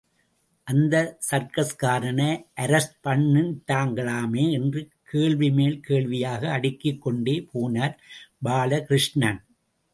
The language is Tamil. அந்த சர்க்கஸ்காரனை அரஸ்ட் பண்ணிட்டாங்களாமே? என்று கேள்வி மேல் கேள்வியாக அடுக்கிக் கொண்டே போனார் பாலகிருஷ்ணன்.